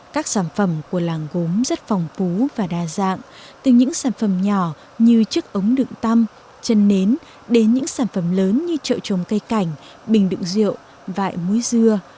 các sản phẩm của làng gốm rất phong phú và đa dạng từ những sản phẩm nhỏ như chiếc ống đựng tăm chân nến đến những sản phẩm lớn như chợ trồng cây cảnh bình đựng rượu vải muối dưa